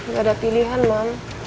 gak ada pilihan mam